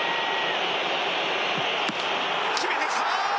決めてきた！